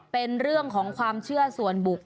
เป็นเรื่องของความเชื่อส่วนบุคคล